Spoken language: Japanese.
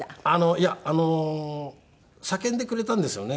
いやあの叫んでくれたんですよね。